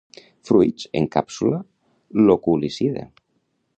Fruits en càpsula loculicida.